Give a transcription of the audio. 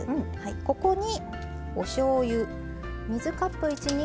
ここにおしょうゆ。